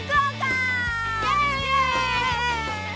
イエーイ！